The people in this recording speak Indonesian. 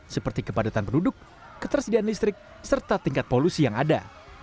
seperti kepadatan penduduk ketersediaan listrik serta tingkat polusi yang ada